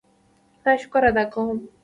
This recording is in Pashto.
خدای شکر ادا کوم.